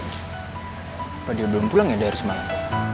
apa dia belum pulang ya dari semalam